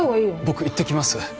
僕行ってきます。